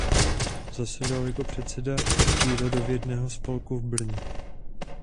Zasedal jako předseda přírodovědného spolku v Brně.